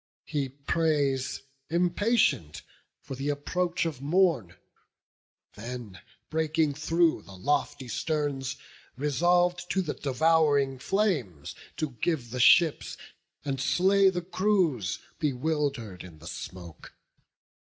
He prays, impatient, for th' approach of morn; Then, breaking through the lofty sterns, resolv'd To the devouring flames to give the ships, And slay the crews, bewilder'd in the smoke.